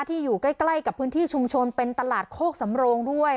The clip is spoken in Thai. อยู่ใกล้กับพื้นที่ชุมชนเป็นตลาดโคกสำโรงด้วย